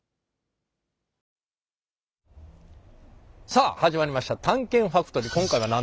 さあ始まりました「探検ファクトリー」。